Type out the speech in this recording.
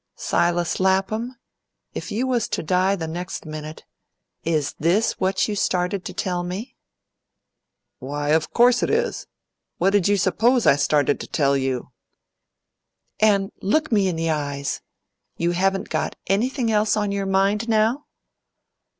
"Silas Lapham, if you was to die the next minute, is this what you started to tell me?" "Why, of course it is. What did you suppose I started to tell you?" "And look me in the eyes! you haven't got anything else on your mind now?"